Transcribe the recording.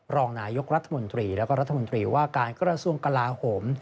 รองนายกรัฐมนตรีแล้วก็รัฐมนตรีว่าการกระทรวงกลาโหม